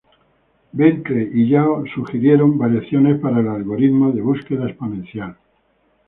Bentley y Yao sugirieron variaciones para el algoritmo de búsqueda exponencial.